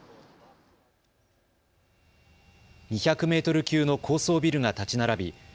２００メートル級の高層ビルが建ち並び